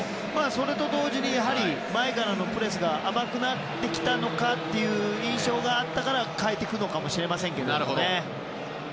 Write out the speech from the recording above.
それと同時に前からのプレスが甘くなってきたという印象があったから代えていくのかもしれませんけどね。